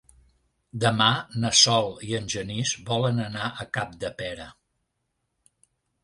Demà na Sol i en Genís volen anar a Capdepera.